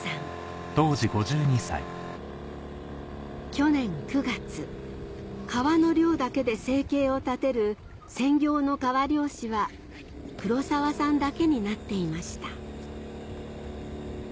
去年９月川の漁だけで生計を立てる専業の川漁師は黒澤さんだけになっていました